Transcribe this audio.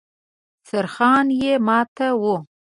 سرخانه يې ماته وه.